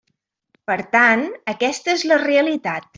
Per tant, aquesta és la realitat.